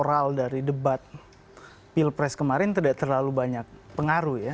moral dari debat pilpres kemarin tidak terlalu banyak pengaruh ya